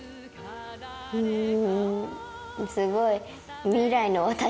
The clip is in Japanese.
うんすごい。